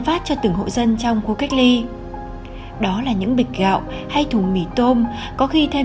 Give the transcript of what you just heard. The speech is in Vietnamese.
phát cho từng hộ dân trong khu cách ly đó là những bịch gạo hay thùng mì tôm có khi thêm